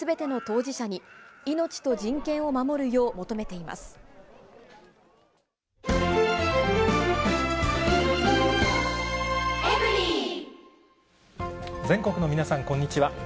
一方、全国の皆さん、こんにちは。